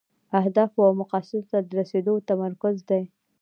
اهدافو او مقاصدو ته د رسیدو تمرکز دی.